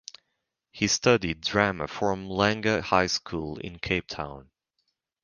He studied drama from Langa High School in Cape Town.